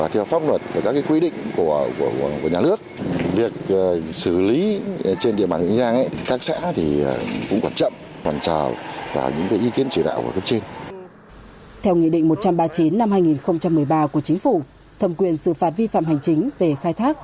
theo nghị định một trăm ba mươi chín năm hai nghìn một mươi ba của chính phủ thẩm quyền xử phạt vi phạm hành chính về khai thác